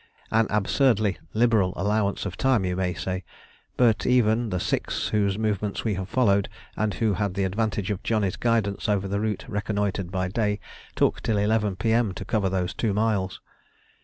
An absurdly liberal allowance of time you may say; but even the six whose movements we have followed, and who had the advantage of Johnny's guidance over a route reconnoitred by day, took till 11 P.M. to cover these two miles.